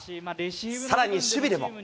さらに守備でも。